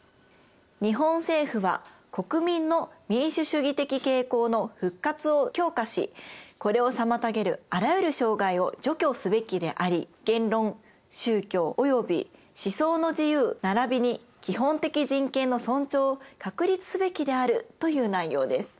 日本政府は国民の民主主義的傾向の復活を強化しこれを妨げるあらゆる障害を除去すべきであり言論・宗教及び思想の自由並びに基本的人権の尊重を確立すべきであるという内容です。